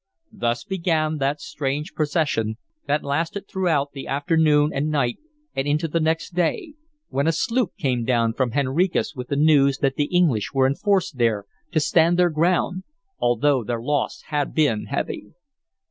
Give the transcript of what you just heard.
Thus began that strange procession that lasted throughout the afternoon and night and into the next day, when a sloop came down from Henricus with the news that the English were in force there to stand their ground, although their loss had been heavy.